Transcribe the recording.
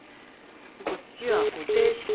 こっちは固定して。